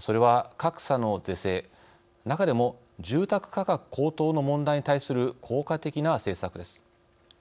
それは、格差の是正中でも住宅価格高騰の問題に対する効果的な政策です。